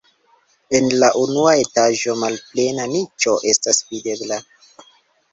En la unua etaĝo malplena niĉo estas videbla.